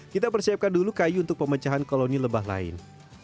kita persiapkan dulu kayu untuk pemecahan koloni lebah lain